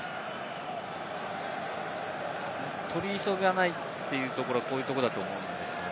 取り急がないというところがそういうところだと思いますね。